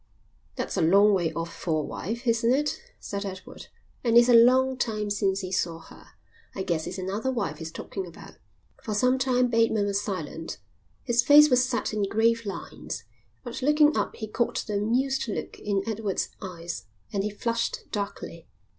"That's a long way off for a wife, isn't it?" said Edward. "And it's a long time since he saw her. I guess it's another wife he's talking about." For some time Bateman was silent. His face was set in grave lines. But looking up he caught the amused look in Edward's eyes, and he flushed darkly.